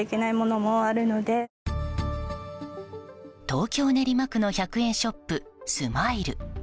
東京・練馬区の１００円ショップ、すまいる。